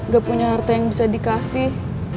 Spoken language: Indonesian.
gak punya harta yang bisa dikasih